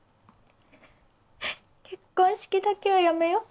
結婚式だけはやめよう。